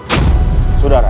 tapi pelabrasi menembukan luka